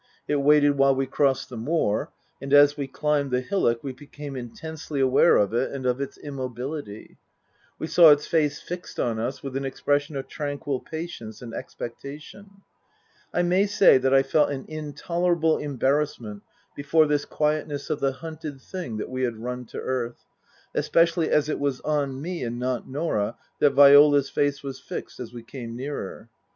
It waited while we crossed the moor ; and as we climbed the hillock we became intensely aware of it and of its immobility. We saw its face fixed on us with an expression of tranquil patience and expectation. I may say that I felt an intolerable embarrassment before this quietness of the hunted thing that we had run to earth ; especially as it was on me, and not Norah, that Viola's face was fixed as we came nearer.